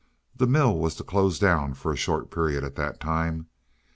The mill was to close down for a short period at that time.